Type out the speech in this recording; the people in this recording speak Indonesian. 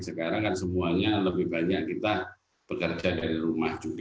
sekarang kan semuanya lebih banyak kita bekerja dari rumah juga